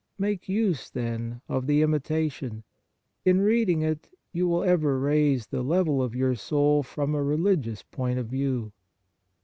Make use, then, of " The Imitation "; in reading it, you will ever raise the level of your soul from a religious point of view.